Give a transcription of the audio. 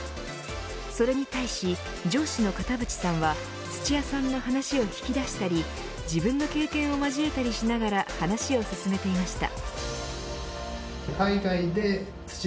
それに対し上司の片渕さんは土屋さんの話を引き出したり自分の経験を交えたりしながら話を進めていました。